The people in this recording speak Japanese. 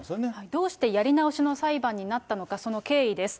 どうしてやり直しの裁判になったのか、その経緯です。